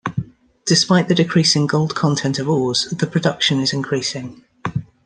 Despite the decreasing gold content of ores, the production is increasing.